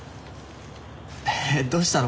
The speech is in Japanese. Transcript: えどうしたの？